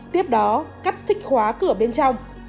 tiếp đó cắt xích khóa cửa bên trong